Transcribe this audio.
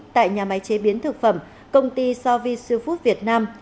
tại nhà máy chế biến thực phẩm công ty sovi sưu phút việt nam